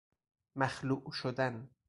مخلوع شدن